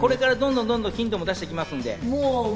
どんどんヒント出していきますんで。